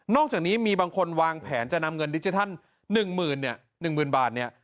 นอกจากนี้มีบางคนวางแผนจะนำเงินดิจิทัล๑๐๐๐๐บาท